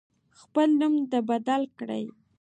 خپل نوم دی بدل کړي.